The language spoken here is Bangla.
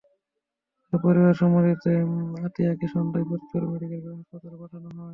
পরে পরিবারের সম্মতিতে আতিয়ারকে সন্ধ্যায় ফরিদপুর মেডিকেল কলেজ হাসপাতালে পাঠানো হয়।